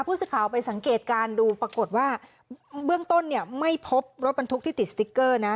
ผู้สื่อข่าวไปสังเกตการณ์ดูปรากฏว่าเบื้องต้นเนี่ยไม่พบรถบรรทุกที่ติดสติ๊กเกอร์นะ